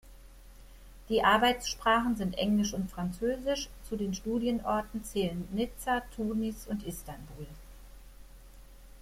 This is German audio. Die Arbeitssprachen sind Englisch und Französisch, zu den Studienorten zählen Nizza, Tunis und Istanbul.